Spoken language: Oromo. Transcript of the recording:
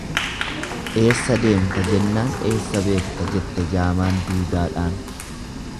Eessa deemta jennaan eessa beekta jette jaamaan duudaadhaan.